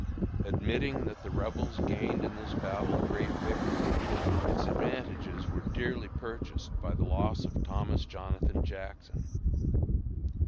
Admitting that the Rebels gained in this battle a great victory, its advantages were dearly purchased by the loss of Thomas Jonathan Jackson.